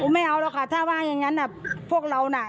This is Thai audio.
ไม่เอาหรอกค่ะถ้าว่าอย่างนั้นพวกเราน่ะ